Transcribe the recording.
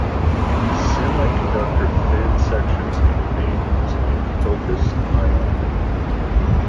Semiconductor thin sections can be made using a focused ion beam.